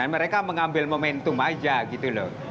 mereka mengambil momentum aja gitu loh